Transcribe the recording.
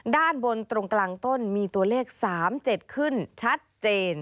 ด้านบนตรงกลางต้นมีตัวเลข๓๗ขึ้นชัดเจน